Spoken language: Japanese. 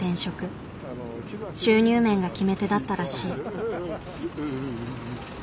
収入面が決め手だったらしい。